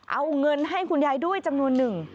เอาเงินให้คุณยายด้วยจำนวนหนึ่ง